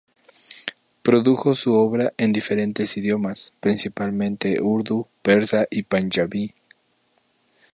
Produjo su obra en diferentes idiomas, principalmente urdu, persa y panyabí.